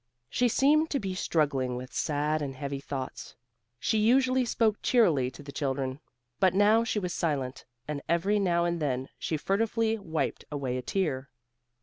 She seemed to be struggling with sad and heavy thoughts. She usually spoke cheerily to the children, but now she was silent, and every now and then she furtively wiped away a tear.